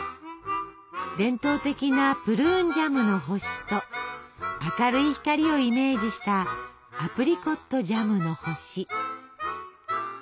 伝統的なプルーンジャムの星と明るい光をイメージしたアプリコットジャムの星。